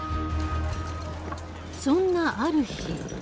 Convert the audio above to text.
そんなある日。